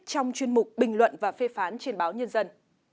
trong chuyên mục bình luận và phê phán trên báo nhân dân